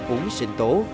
uống sinh tố